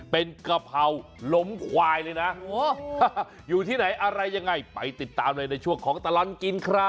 เป็นกะเพราล้มควายเลยนะอยู่ที่ไหนอะไรยังไงไปติดตามเลยในช่วงของตลอดกินครับ